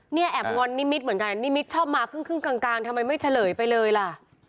เนี่ยแอบงอนนิมิตเหมือนกันนิมิตชอบมาครึ่งกลางทำไมไม่เฉลยไปเลยล่ะ